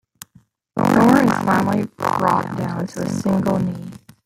Thor is finally brought down to a single knee.